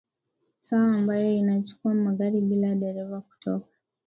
sawa ambayo inachukua magari bila dereva kutoka